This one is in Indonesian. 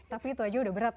tapi itu aja udah berat ya